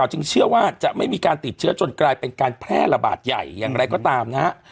จึงเชื่อว่าจะไม่มีการติดเชื้อจนกลายเป็นการแพร่ระบาดใหญ่อย่างไรก็ตามนะฮะ